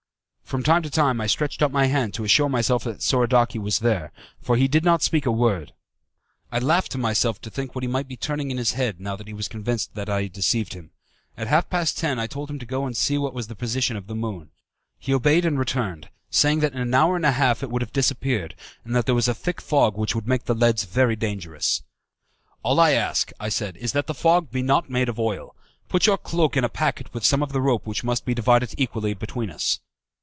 From time to time I stretched out my hand to assure myself that Soradaci was there, for he did not speak a word. I laughed to myself to think what he might be turning in his head now that he was convinced that I had deceived him. At half past ten I told him to go and see what was the position of the moon. He obeyed and returned, saying that in an hour and a half it would have disappeared, and that there was a thick fog which would make the leads very dangerous. "All I ask," I said, "is that the fog be not made of oil. Put your cloak in a packet with some of the rope which must be divided equally between us."